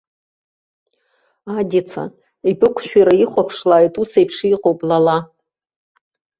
Адица, ибықәшәира ихәаԥшлааит усеиԥш иҟоу блала.